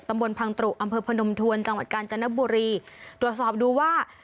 ตำบลพังตรุอำเภอพนมทวนตกาลจนบุรีตรวจสอบดูว่า